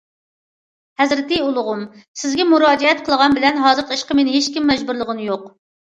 ھەزرىتى ئۇلۇغۇم، سىزگە مۇراجىئەت قىلغان بىلەن ھازىرقى ئىشقا مېنى ھېچكىم مەجبۇرلىغىنى يوق!